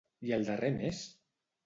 I el darrer mes?